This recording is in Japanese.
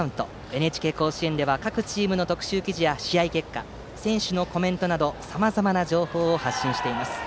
「ＮＨＫ甲子園」では各チームの特集記事や試合結果、選手のコメントなどさまざまな情報を発信しています。